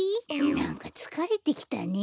なんかつかれてきたね。